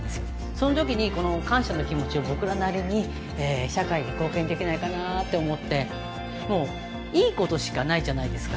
そん時にこの感謝の気持ちを僕らなりに社会に貢献できないかなって思ってもう良いことしかないじゃないですか